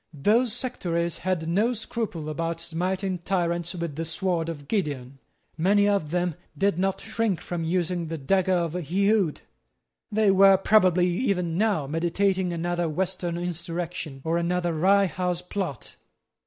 Those sectaries had no scruple about smiting tyrants with the sword of Gideon. Many of them did not shrink from using the dagger of Ehud. They were probably even now meditating another Western insurrection, or another Rye House Plot.